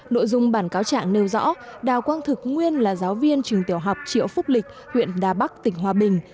nội dung bản cáo trạng nêu rõ đào quang thực nguyên là giáo viên trường tiểu học triệu phúc lịch huyện đà bắc tỉnh hòa bình